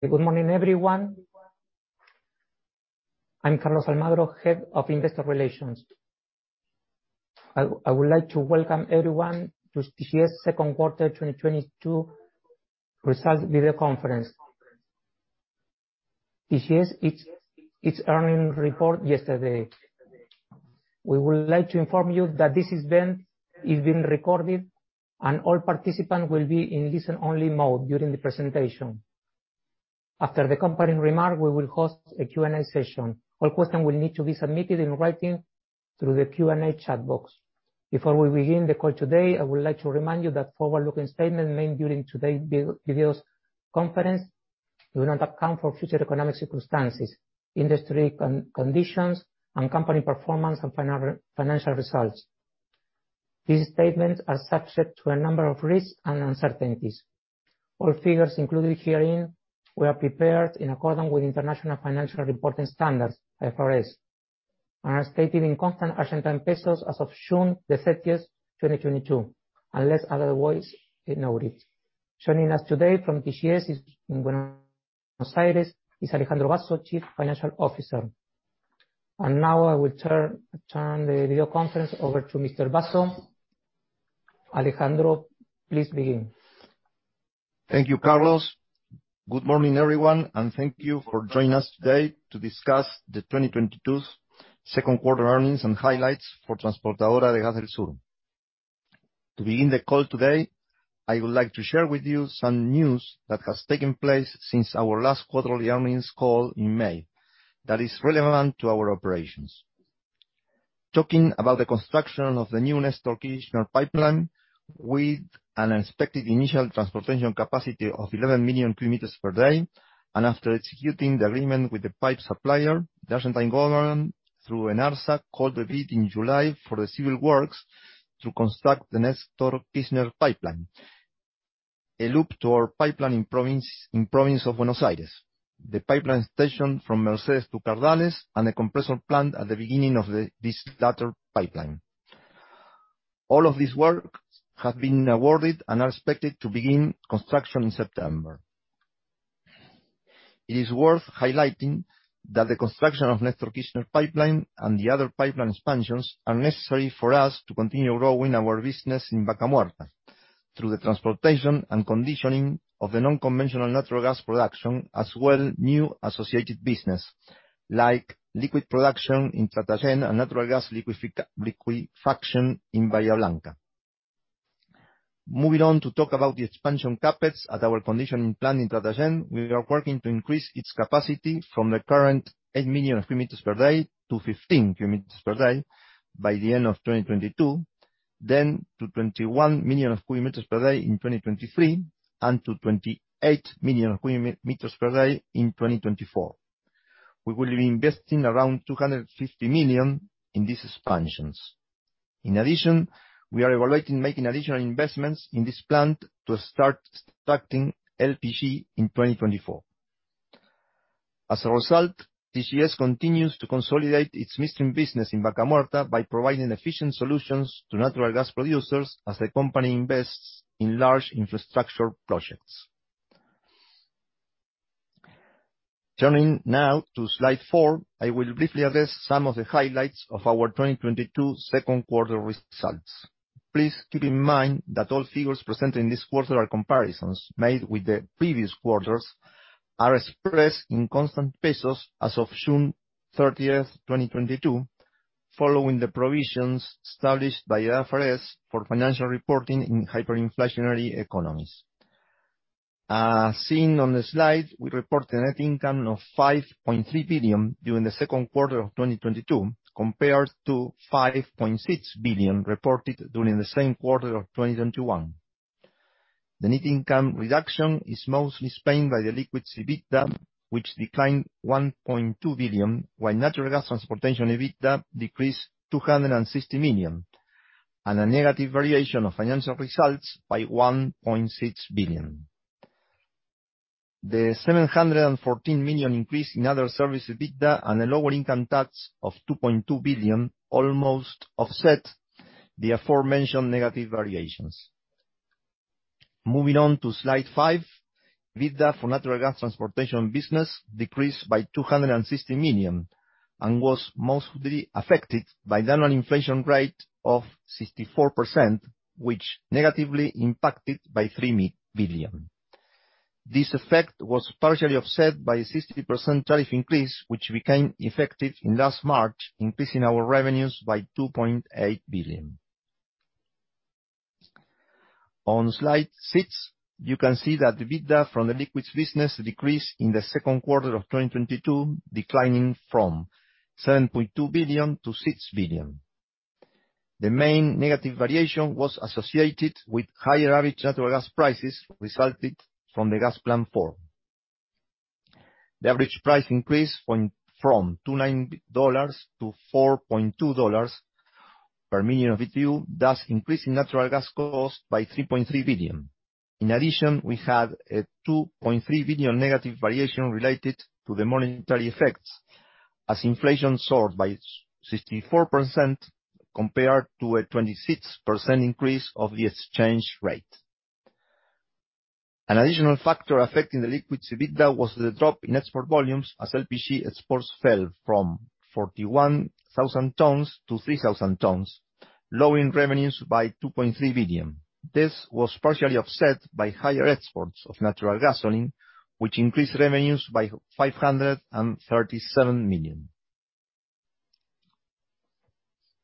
Good morning, everyone. I'm Carlos Almagro, Head of Investor Relations. I would like to welcome everyone to TGS second quarter 2022 results video conference. TGS its earnings report yesterday. We would like to inform you that this event is being recorded and all participants will be in listen-only mode during the presentation. After the company remarks, we will host a Q&A session. All questions will need to be submitted in writing through the Q&A chat box. Before we begin the call today, I would like to remind you that forward-looking statements made during today's video conference do not account for future economic circumstances, industry conditions, and company performance and financial results. These statements are subject to a number of risks and uncertainties. All figures included herein were prepared in accordance with International Financial Reporting Standards, IFRS, and are stated in constant Argentine pesos as of June 30th, 2022, unless otherwise noted. Joining us today from TGS in Buenos Aires is Alejandro Basso, Chief Financial Officer. Now I will turn the video conference over to Mr. Basso. Alejandro, please begin. Thank you, Carlos. Good morning, everyone, and thank you for joining us today to discuss 2022's second quarter earnings and highlights for Transportadora de Gas del Sur. To begin the call today, I would like to share with you some news that has taken place since our last quarterly earnings call in May that is relevant to our operations. Talking about the construction of the new Néstor Kirchner pipeline, with an expected initial transportation capacity of 11 million cu m per day, and after executing the agreement with the pipe supplier, the Argentine government, through ENARSA, called the bid in July for the civil works to construct the Néstor Kirchner pipeline, a loop toward pipeline in the province of Buenos Aires, the pipeline station from Mercedes to Cardales, and a compression plant at the beginning of this latter pipeline. All of this work has been awarded and are expected to begin construction in September. It is worth highlighting that the construction of Néstor Kirchner pipeline and the other pipeline expansions are necessary for us to continue growing our business in Vaca Muerta through the transportation and conditioning of the non-conventional natural gas production, as well as new associated business, like liquid production in Tratayén and natural gas liquefaction in Bahía Blanca. Moving on to talk about the expansion CapEx at our conditioning plant in Tratayén, we are working to increase its capacity from the current 8 million cu ft per day-15 million cu ft per day by the end of 2022, then to 21 million cu ft per day in 2023, and to 28 million cu ft per day in 2024. We will be investing around 250 million in these expansions. In addition, we are evaluating making additional investments in this plant to start extracting LPG in 2024. As a result, TGS continues to consolidate its midstream business in Vaca Muerta by providing efficient solutions to natural gas producers as the company invests in large infrastructure projects. Turning now to slide four, I will briefly address some of the highlights of our 2022 second quarter results. Please keep in mind that all figures presented in this quarter are comparisons made with the previous quarters, are expressed in constant pesos as of June 30th, 2022, following the provisions established by IFRS for financial reporting in hyperinflationary economies. As seen on the slide, we report a net income of 5.3 billion during the second quarter of 2022, compared to 5.6 billion reported during the same quarter of 2021. The net income reduction is mostly explained by the liquids EBITDA, which declined 1.2 billion, while natural gas transportation EBITDA decreased 260 million, and a negative variation of financial results by 1.6 billion. The 714 million increase in other service EBITDA and a lower income tax of 2.2 billion almost offset the aforementioned negative variations. Moving on to slide five, EBITDA for natural gas transportation business decreased by 260 million and was mostly affected by the annual inflation rate of 64%, which negatively impacted by 3 billion. This effect was partially offset by a 60% tariff increase, which became effective in last March, increasing our revenues by 2.8 billion. On slide 6, you can see that the EBITDA from the liquids business decreased in the second quarter of 2022, declining from 7.2 billion-6 billion. The main negative variation was associated with higher average natural gas prices resulted from the Plan Gas 4. The average price increase went from $2.9-$4.2 per million BTU, thus increasing natural gas costs by 3.3 billion. In addition, we had a 2.3 billion negative variation related to the monetary effects. As inflation soared by 64% compared to a 26% increase of the exchange rate. An additional factor affecting the liquids EBITDA was the drop in export volumes as LPG exports fell from 41,000 tons-3,000 tons, lowering revenues by 2.3 billion. This was partially offset by higher exports of natural gasoline, which increased revenues by 537 million.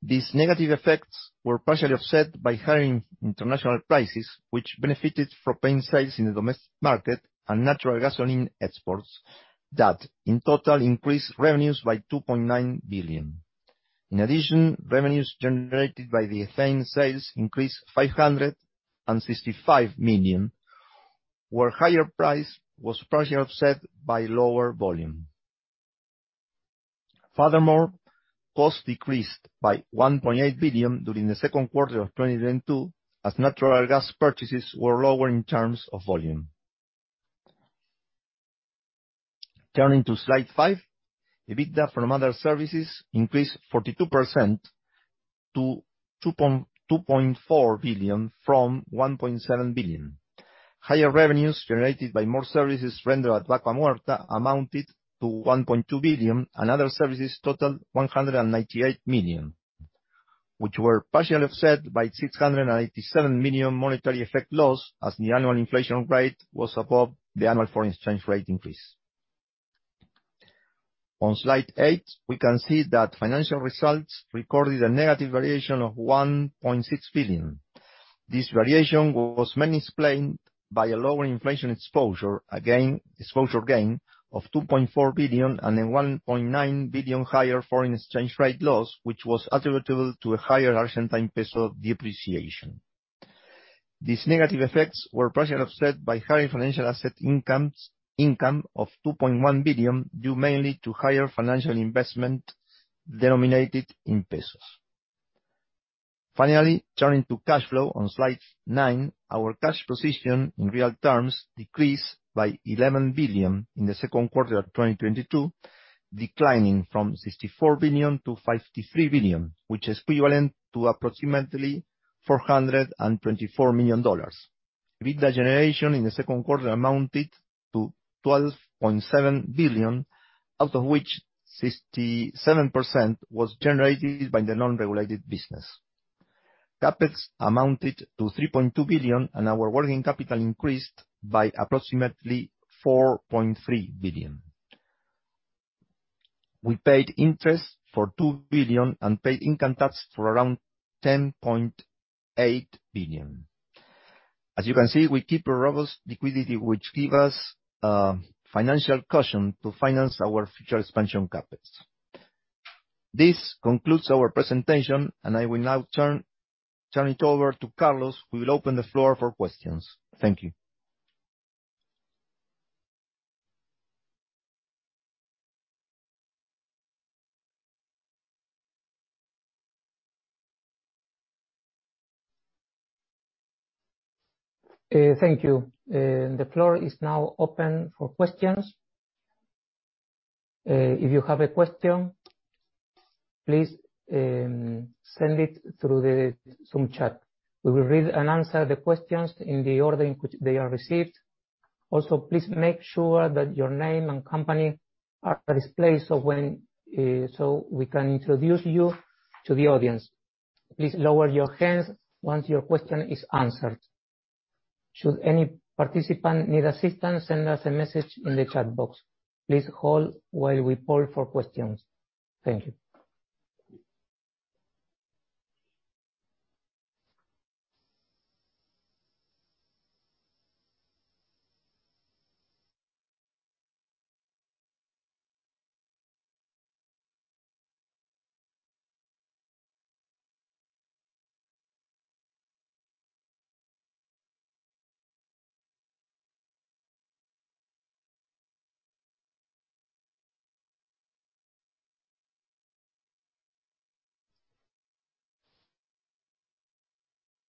These negative effects were partially offset by higher international prices, which benefited propane sales in the domestic market and natural gasoline exports that, in total, increased revenues by 2.9 billion. In addition, revenues generated by the ethane sales increased 565 million, while higher price was partially offset by lower volume. Furthermore, costs decreased by 1.8 billion during the second quarter of 2022, as natural gas purchases were lower in terms of volume. Turning to slide five, EBITDA from other services increased 42% to 2.4 billion from 1.7 billion. Higher revenues generated by more services rendered at Vaca Muerta amounted to 1.2 billion, and other services totaled 198 million, which were partially offset by 687 million monetary effect loss, as the annual inflation rate was above the annual foreign exchange rate increase. On slide eight, we can see that financial results recorded a negative variation of 1.6 billion. This variation was mainly explained by a lower inflation exposure gain of 2.4 billion and a 1.9 billion higher foreign exchange rate loss, which was attributable to a higher Argentine peso depreciation. These negative effects were partially offset by higher financial asset income of 2.1 billion, due mainly to higher financial investment denominated in pesos. Finally, turning to cash flow on slide nine, our cash position in real terms decreased by 11 billion in the second quarter of 2022, declining from 64 billion to 53 billion, which is equivalent to approximately $424 million. EBITDA generation in the second quarter amounted to 12.7 billion, out of which 67% was generated by the non-regulated business. CapEx amounted to 3.2 billion, and our working capital increased by approximately 4.3 billion. We paid interest for 2 billion and paid income tax for around 10.8 billion. As you can see, we keep a robust liquidity, which give us financial cushion to finance our future expansion CapEx. This concludes our presentation, and I will now turn it over to Carlos, who will open the floor for questions. Thank you. Thank you. The floor is now open for questions. If you have a question, please send it through the Zoom chat. We will read and answer the questions in the order in which they are received. Also, please make sure that your name and company are displayed so we can introduce you to the audience. Please lower your hands once your question is answered. Should any participant need assistance, send us a message in the chat box. Please hold while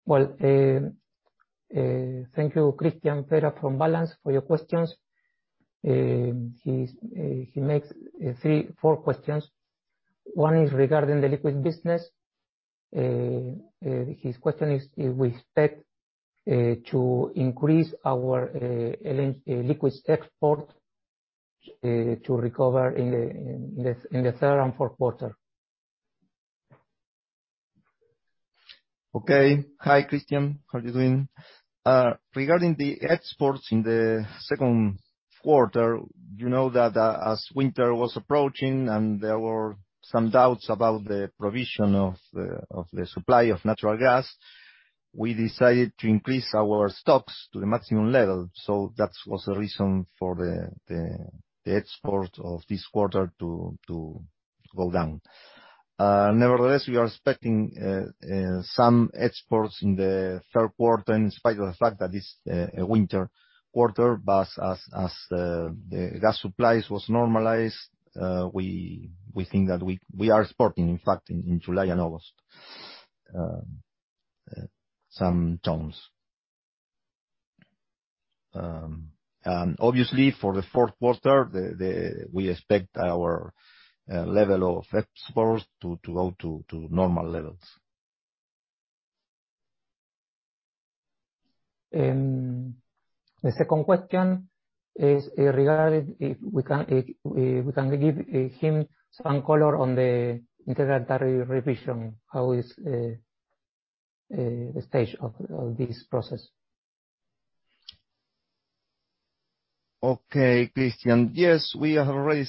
we poll for questions. Thank you. Well, thank you, Christian Ferrer from Balanz, for your questions. He makes three, four questions. One is regarding the liquid business. His question is if we expect to increase our liquids export to recover in the third and fourth quarter. Okay. Hi, Christian. How are you doing? Regarding the exports in the second quarter, you know that, as winter was approaching and there were some doubts about the provision of the supply of natural gas, we decided to increase our stocks to the maximum level. That was the reason for the export of this quarter to go down. Nevertheless, we are expecting some exports in the third quarter, in spite of the fact that it's a winter quarter. As the gas supplies was normalized, we think that we are exporting, in fact, in July and August, some tons. Obviously for the fourth quarter, we expect our level of CapEx to go to normal levels. The second question is regarding if we can give him some color on the Integral Tariff Review, how is the stage of this process? Okay, Christian. Yes, we have already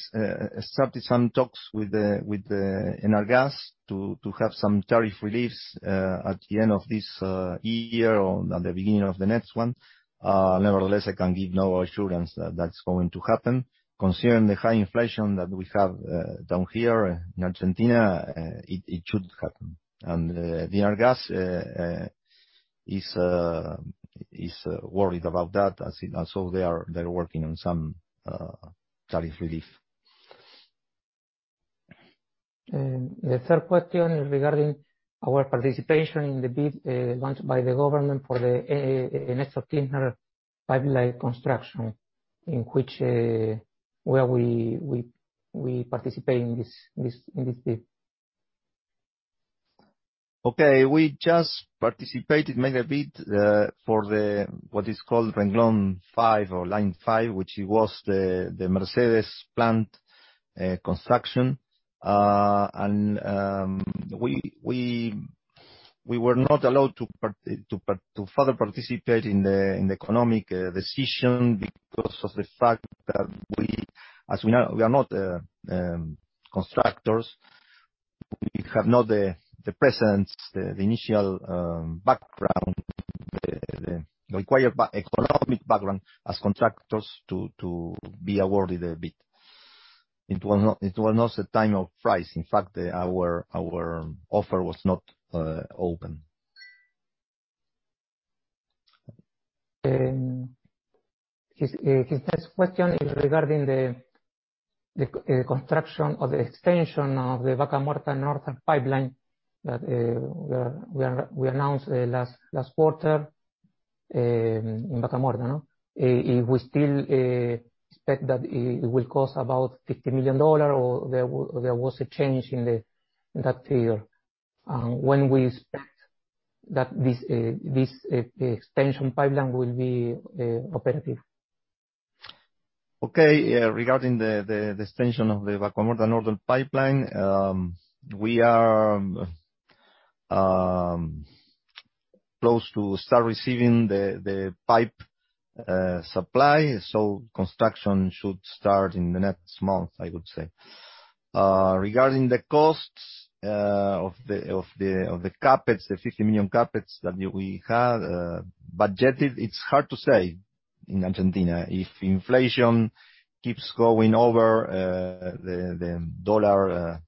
started some talks with the ENARGAS to have some tariff release at the end of this year or at the beginning of the next one. Nevertheless, I can give no assurance that that's going to happen. Considering the high inflation that we have down here in Argentina, it should happen. The ENARGAS is worried about that as all they are. They're working on some tariff relief. The third question is regarding our participation in the bid launched by the government for the Néstor Kirchner pipeline construction, where we participate in this bid. Okay, we just participated, made a bid, for what is called Renglón 5 or line five, which was the Mercedes plant construction. We were not allowed to further participate in the economic decision because of the fact that we, as we know, we are not constructors. We have not the presence, the initial background, the required economic background as contractors to be awarded a bid. It was not a time of price. In fact, our offer was not open. His next question is regarding the construction or the extension of the Vaca Muerta Northern Pipeline that we announced last quarter in Vaca Muerta. No? If we still expect that it will cost about $50 million or there was a change in that figure, when we expect that this expansion pipeline will be operative. Okay. Regarding the extension of the Vaca Muerta Northern Pipeline, we are close to start receiving the pipe supply, so construction should start in the next month, I would say. Regarding the costs of the CapEx, the $50 million CapEx that we had budgeted, it's hard to say in Argentina. If inflation keeps going over the dollar,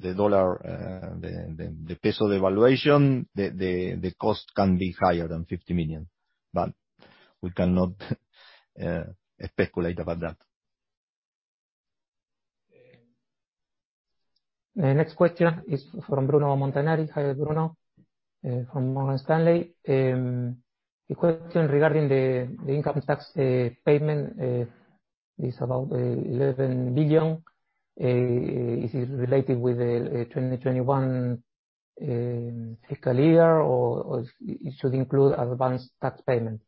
the peso devaluation, the cost can be higher than $50 million. We cannot speculate about that. The next question is from Bruno Montanari. Hi, Bruno, from Morgan Stanley. A question regarding the income tax payment is about 11 billion. Is it related with the 2021 fiscal year or it should include advanced tax payment?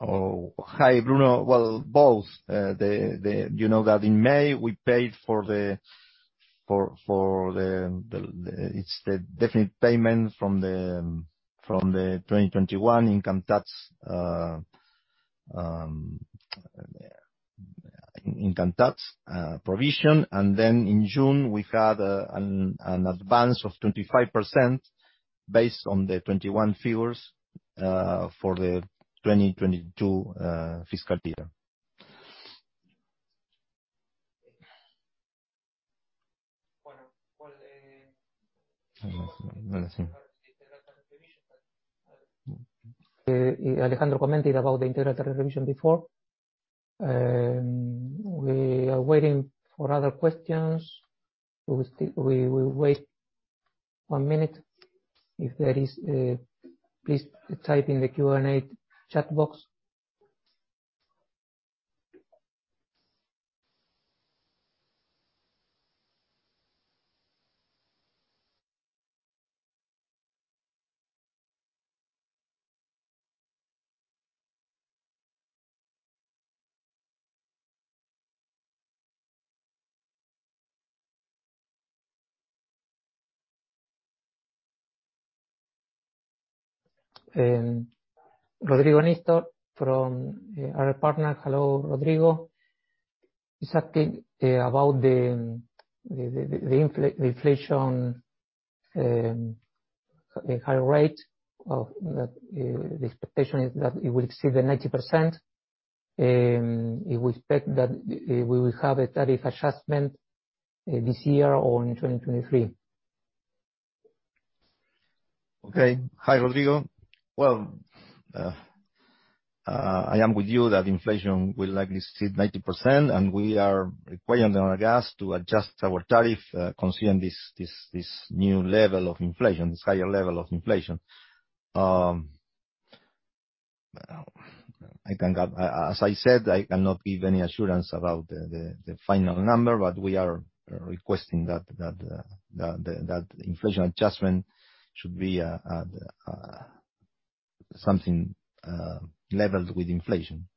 Oh, hi, Bruno. Well, both. You know that in May we paid for the definitive payment from the 2021 income tax provision. In June, we had an advance of 25% based on the 2021 figures for the 2022 fiscal year. Alejandro commented about the integral revision before. We are waiting for other questions. We will wait one minute. If there is, please type in the Q&A chat box. Rodrigo Nistor from AR Partners. Hello, Rodrigo. He's asking about the inflation, the high rate of that, the expectation is that it will exceed 90%. If we expect that we will have a tariff adjustment this year or in 2023. Okay. Hi, Rodrigo. Well, I am with you that inflation will likely see 90%, and we are requiring ENARGAS to adjust our tariff, considering this new level of inflation, this higher level of inflation. As I said, I cannot give any assurance about the final number, but we are requesting that inflation adjustment should be something leveled with inflation.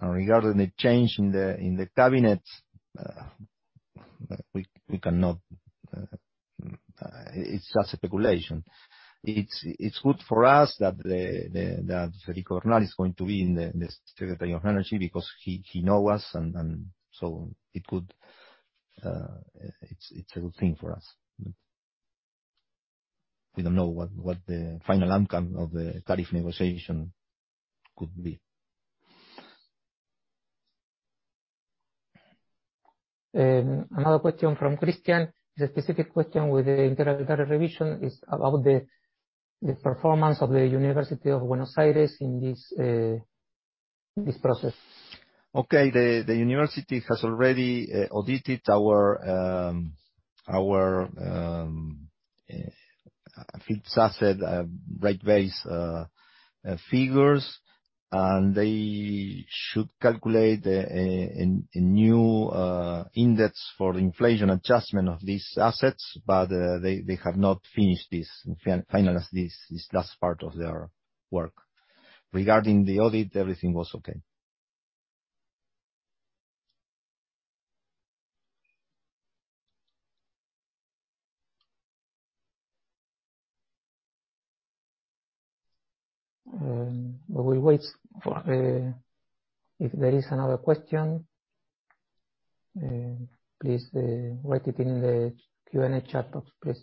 Regarding the change in the cabinet, we cannot. It's just a speculation. It's good for us that Federico Bernal is going to be the Secretary of Energy because he knows us and so it could. It's a good thing for us. We don't know what the final outcome of the tariff negotiation could be. Another question from Christian. The specific question with the integral tariff review is about the performance of the University of Buenos Aires in this process. Okay. The university has already audited our fixed asset rate base figures, and they should calculate a new index for inflation adjustment of these assets, but they have not finished finalizing this last part of their work. Regarding the audit, everything was okay. We will wait for if there is another question. Please write it in the Q&A chat box, please.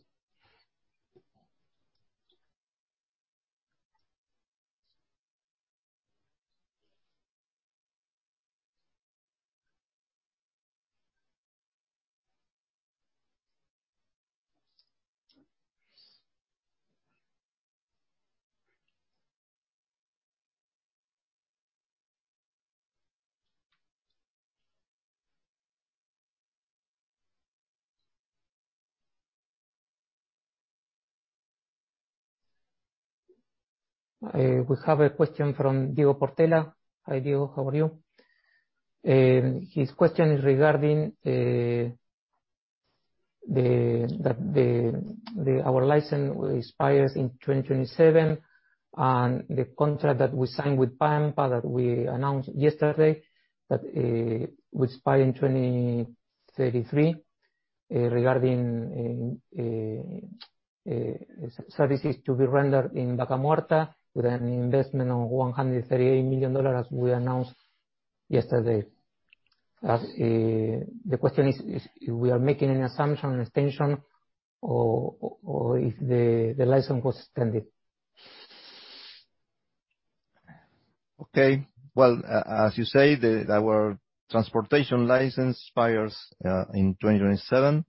We have a question from Diego Portella. Hi, Diego. How are you? His question is regarding our license will expires in 2027, and the contract that we signed with Pampa, that we announced yesterday, that will expire in 2033, regarding services to be rendered in Vaca Muerta with an investment of $138 million, as we announced yesterday. The question is if we are making an assumption, an extension, or if the license was extended. Okay. Well, as you say, our transportation license expires in 2027.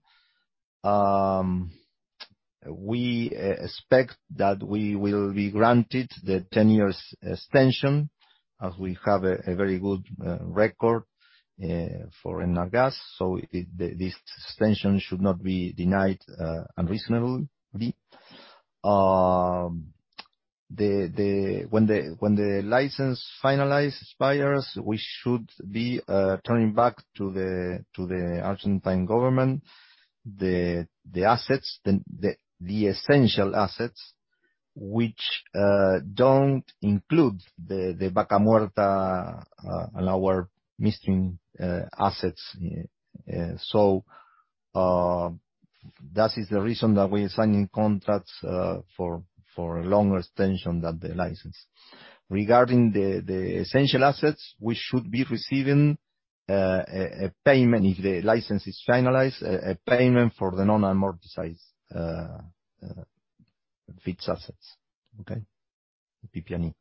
We expect that we will be granted the 10-year extension as we have a very good record for ENARGAS. This extension should not be denied unreasonably. When the license finally expires, we should be turning back to the Argentine government the essential assets which don't include the Vaca Muerta and our midstream assets. That is the reason that we are signing contracts for a longer extension than the license. Regarding the essential assets, we should be receiving a payment if the license is finalized, a payment for the non-amortized fixed assets. Okay. PP&E.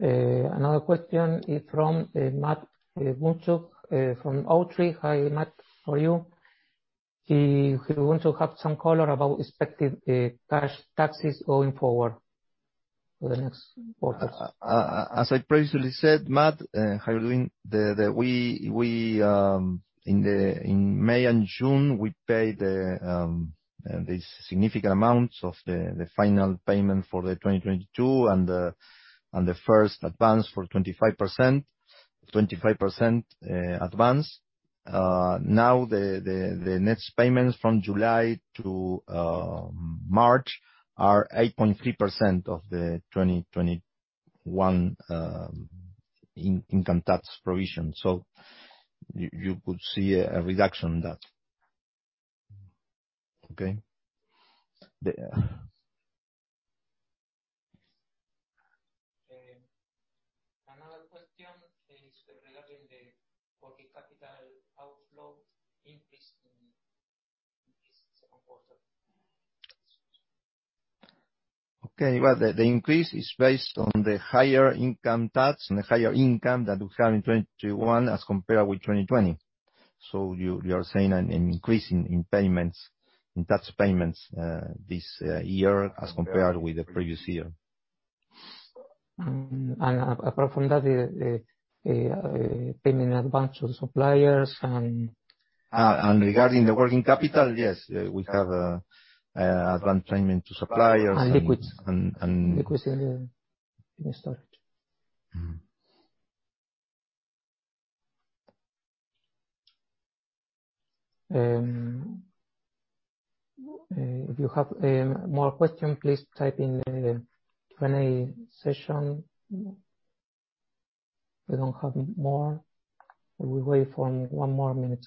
Another question is from Matt Moczulski from O3. Hi, Matt. How are you? He wants to have some color about expected cash taxes going forward for the next quarters. As I previously said, Matt, how are you doing? In May and June, we paid these significant amounts of the final payment for the 2022 and the first advance for 25% advance. Now, the next payments from July to March are 8.3% of the 2021 income tax provision. So you could see a reduction in that. Okay. Another question is regarding the working capital outflow increase in second quarter? Well, the increase is based on the higher income tax and the higher income that we have in 2021 as compared with 2020. You are seeing an increase in payments, in tax payments, this year as compared with the previous year. Apart from that, the payment advance to suppliers and Regarding the working capital, yes, we have advanced payment to suppliers and... Liquids. Liquids in the storage. Mm-hmm. If you have more questions, please type in the Q&A session. We don't have more. We will wait for one more minute.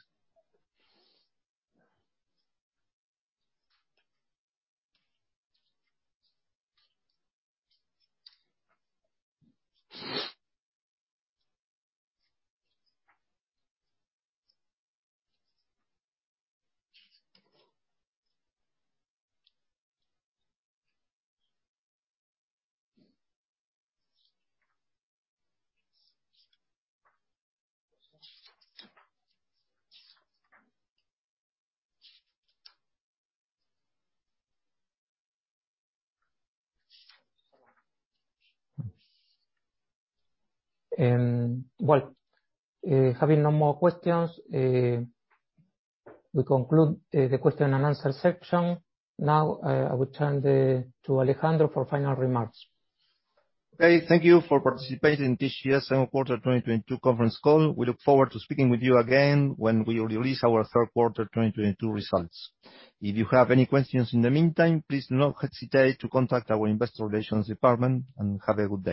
Well, having no more questions, we conclude the question-and-answer section. Now, I will turn to Alejandro for final remarks. Okay. Thank you for participating in this year's second quarter 2022 conference call. We look forward to speaking with you again when we release our third quarter 2022 results. If you have any questions in the meantime, please do not hesitate to contact our investor relations department, and have a good day.